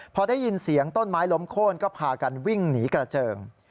พอได้ยินเสียงต้นไม้ล้มโค้นก็พากันวิ่งหนีกระเจิง